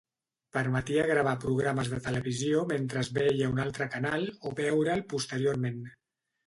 Permetia gravar programes de televisió mentre es veia un altre canal, o veure'l posteriorment.